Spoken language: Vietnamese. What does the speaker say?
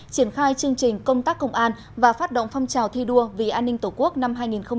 triển khai chương trình công tác công an và phát động phong trào thi đua vì an ninh tổ quốc năm hai nghìn hai mươi bốn